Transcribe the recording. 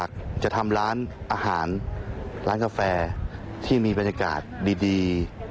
กาแฟที่มีบรรยากาศดี